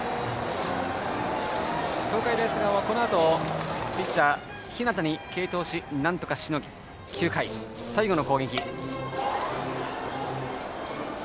東海大菅生は、このあとピッチャー、日當に継投しなんとかしのぎ９回、最後の攻撃。